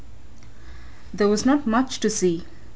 There was not much to see.